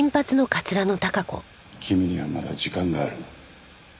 君にはまだ時間がある。